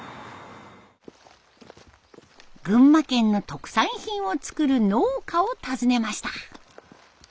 群馬県の特産品を作る農家を訪ねました。